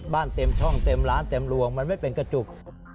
เต็มช่องเต็มร้านเต็มรวงมันไม่เป็นกระจุก